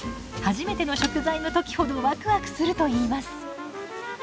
初めての食材の時ほどワクワクするといいます。